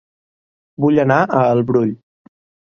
Vull anar a El Brull